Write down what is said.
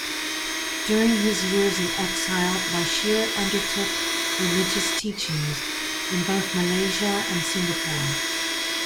During his years in exile Bashir undertook religious teachings in both Malaysia and Singapore.